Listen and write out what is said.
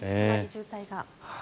渋滞が。